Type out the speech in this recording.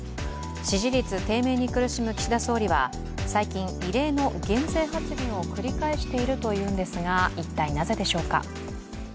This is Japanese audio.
支持率低迷に苦しむ岸田総理は最近異例の減税発言を繰り返しているというんですが、一体なぜでしょうか。